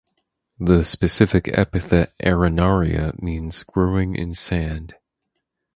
The specific epithet ("arenaria") means "growing in sand".